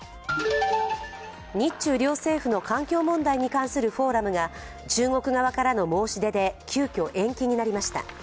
日中両政府の環境問題に関するフォーラムが中国側からの申し出で急きょ延期になりました。